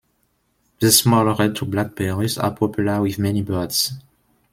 The small, red-to-black berries are popular with many birds.